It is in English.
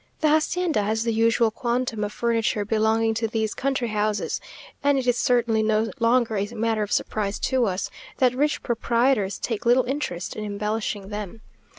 The hacienda has the usual quantum of furniture belonging to these country houses; and it is certainly no longer a matter of surprise to us, that rich proprietors take little interest in embellishing them.